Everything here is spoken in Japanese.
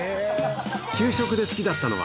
給食で好きだったのは。